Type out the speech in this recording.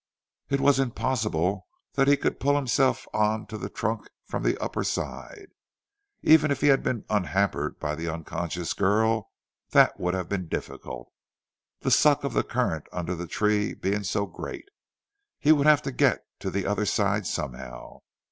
It was impossible that he could pull himself on to the trunk from the upper side. Even had he been unhampered by the unconscious girl that would have been difficult, the suck of the current under the tree being so great. He would have to get to the other side somehow.